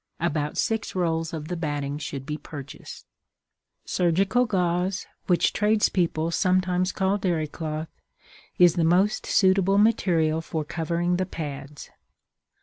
About six rolls of the batting should be purchased. Surgical gauze, which tradespeople sometimes call dairy cloth, is the most suitable material for covering the pads.